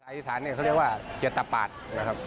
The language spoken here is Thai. อีสานเนี่ยเขาเรียกว่าเจตปาดนะครับ